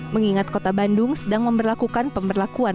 mengingat kota bandung sedang memperlakukan pemberlakuan